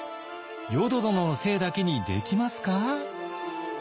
淀殿のせいだけにできますか？